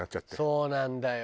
そうなんだよ。